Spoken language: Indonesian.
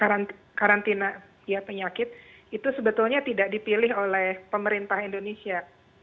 karantina penyakit itu sebetulnya tidak dipilih oleh pemerintah indonesia